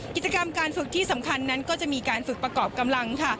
กิจกรรมการฝึกที่สำคัญนั้นก็จะมีการฝึกประกอบกำลังค่ะ